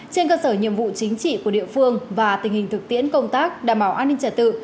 trên cơ sở nhiệm vụ chính trị của địa phương và tình hình thực tiễn công tác đảm bảo an ninh trả tự